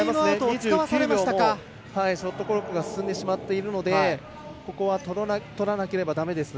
２９秒ショットクロックが進んでしまっているのでここはとらなきゃだめですね。